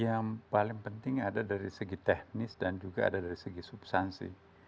yang paling penting ada dari segi teknis dan juga ada dari segi substansi